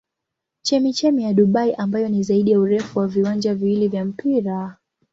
Chemchemi ya Dubai ambayo ni zaidi ya urefu wa viwanja viwili vya mpira.